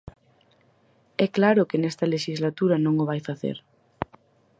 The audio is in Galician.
É claro que nesta lexislatura non o vai facer.